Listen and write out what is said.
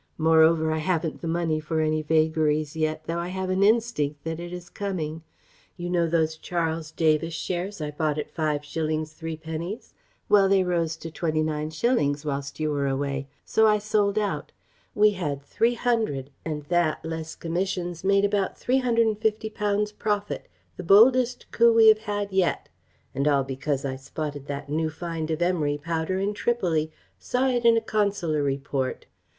Moreover I haven't the money for any vagaries yet, though I have an instinct that it is coming. You know those Charles Davis shares I bought at 5_s._ 3_d._? Well, they rose to 29_s._ whilst you were away; so I sold out. We had three hundred, and that, less commissions, made about £350 profit; the boldest coup we have had yet. And all because I spotted that new find of emery powder in Tripoli, saw it in a Consular Report....